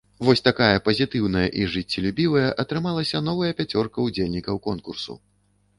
Вось такая пазітыўная і жыццелюбівая атрымалася новая пяцёрка ўдзельнікаў конкурсу.